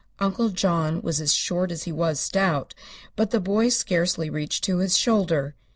Uncle John was as short as he was stout, but the boy scarcely reached to his shoulder.